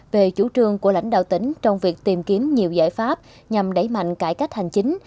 về chủ trương của lãnh đạo tỉnh trong việc tìm kiếm nhiều giải pháp nhằm đẩy mạnh cải cách hành chính